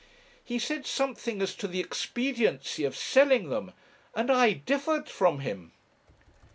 'He said something as to the expediency of selling them, and I differed from him.'